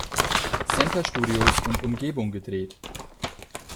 Center Studios und Umgebung gedreht.